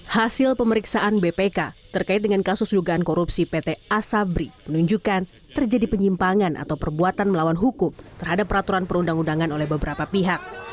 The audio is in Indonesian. hasil pemeriksaan bpk terkait dengan kasus dugaan korupsi pt asabri menunjukkan terjadi penyimpangan atau perbuatan melawan hukum terhadap peraturan perundang undangan oleh beberapa pihak